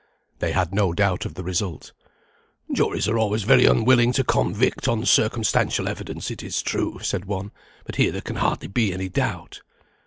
They had no doubt of the result. "Juries are always very unwilling to convict on circumstantial evidence, it is true," said one, "but here there can hardly be any doubt."